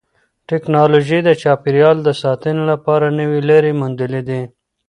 تکنالوژي د چاپیریال د ساتنې لپاره نوې لارې موندلې دي.